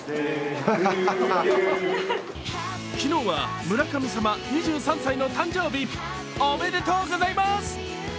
昨日は村神様、２３歳の誕生日、おめでとうございます。